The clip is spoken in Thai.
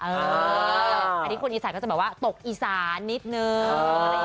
อันนี้คนไอศาสตร์ก็จะตกไอศานิดนึง